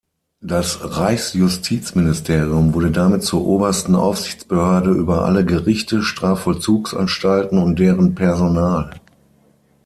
Das Reichsjustizministerium wurde damit zur obersten Aufsichtsbehörde über alle Gerichte, Strafvollzugsanstalten und deren Personal.